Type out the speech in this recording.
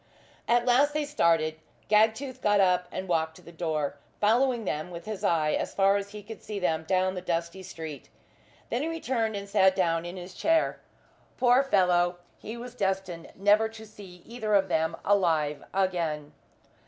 At last they started. Gagtooth got up and walked to the door, following them with his eye as far as he could see them down the dusty street. Then he returned and sat down in his chair. Poor fellow! he was destined never to see either of them alive again.